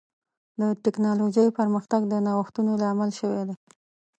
د ټکنالوجۍ پرمختګ د نوښتونو لامل شوی دی.